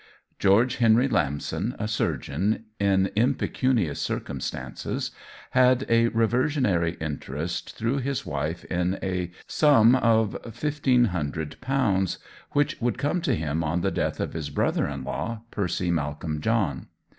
George Henry Lamson, a surgeon, in impecunious circumstances, had a reversionary interest through his wife in a sum of £1,500, which would come to him on the death of his brother in law, Percy Malcolm John.